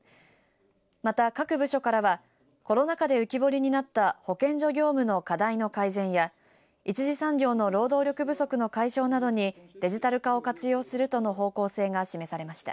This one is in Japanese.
また、各部署からはコロナ禍で浮き彫りになった保健所業務の課題の改善や１次産業の労働力不足の解消などにデジタル化を活用するとの方向性が示されました。